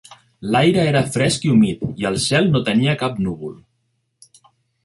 L'aire era fresc i humit, i el cel no tenia cap núvol.